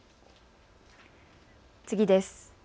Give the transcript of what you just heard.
次です。